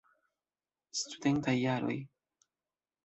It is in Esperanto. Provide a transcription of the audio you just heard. Studentaj jaroj.